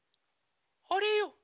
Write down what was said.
あれよ。